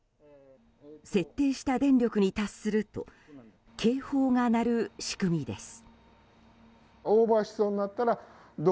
設定した電力に達すると警報が鳴る仕組みです。